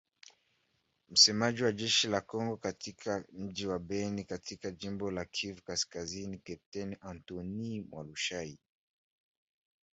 Msemaji wa jeshi la Kongo katika mji wa Beni katika jimbo la Kivu Kaskazini, Kepteni Antony Mualushayi.